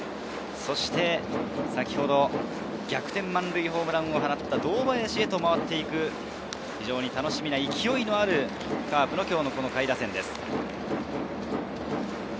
そして先ほど逆転満塁ホームランを放った堂林へ回っていく、楽しみな、勢いのあるカープの今日の下位打線です。